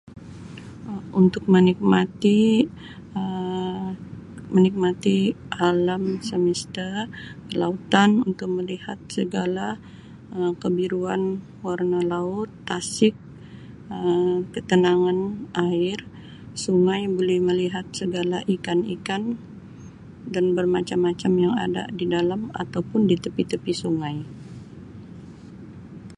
Untuk menikmati Um menikmati alam semesta lautan untuk melihat segala Um kebiruan warna laut tasik Um ketenangan, air sungai boleh melihat segala ikan-ikan dan bermacam macam yang ada di dalam ataupun di tepi-tepi sungai.